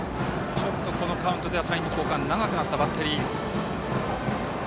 ちょっと、このカウントサインの交換が長くなったバッテリー。